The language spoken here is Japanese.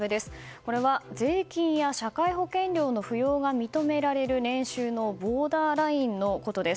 これは税金や社会保険料の扶養が認められる年収のボーダーラインのことです。